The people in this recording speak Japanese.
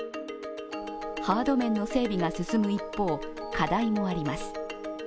ハード面の整備が進む一方、課題もあります。